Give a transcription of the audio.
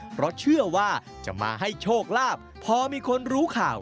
เพราะเชื่อว่าจะมาให้โชคลาภพอมีคนรู้ข่าว